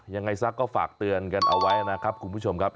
ยังไงซะก็ฝากเตือนกันเอาไว้นะครับคุณผู้ชมครับ